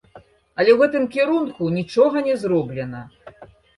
Але ў гэтым кірунку нічога не зроблена.